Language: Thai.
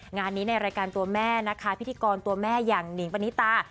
งานนี้ในรายการตัวแม่นะคะพิธีกรตัวแม่อย่างหนิงปณิตา